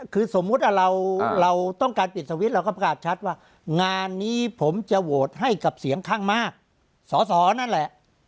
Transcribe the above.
คือสมมุติเราต้องการปิดสวิตช์เราก็ประกาศชัดว่างานนี้ผมจะโหวตให้กับเสียงข้างมากสอสอนั่นแหละ